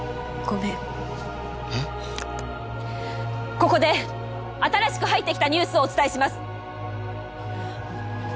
ここで新しく入ってきたニュースをお伝えします。